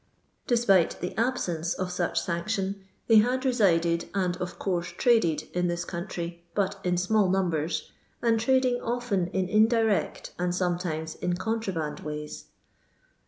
Despite the absence of such sanction, they had resided and of course traded in this country, but in small numbers, and trading often in indirect and sometimes in eontrafaand iK ays.